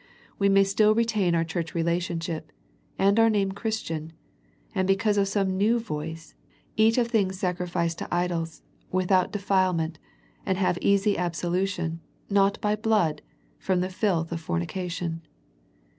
We may still retain our church relationship, and our name Christian, and because of some new voice, eat of things sacrificed to idols, without defilement, and have easy absolution, not by blood, from the filth of fornication.